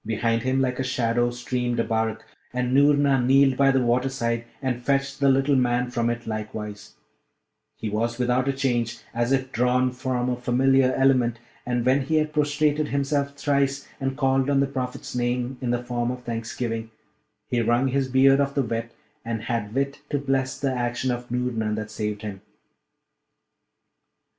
Behind him like a shadow streamed Abarak, and Noorna kneeled by the waterside and fetched the little man from it likewise; he was without a change, as if drawn from a familiar element; and when he had prostrated himself thrice and called on the Prophet's name in the form of thanksgiving, he wrung his beard of the wet, and had wit to bless the action of Noorna, that saved him.